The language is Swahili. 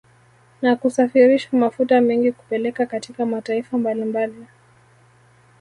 Na kusafirisha mafuta mengi kupeleka katika mataifa mbalimbali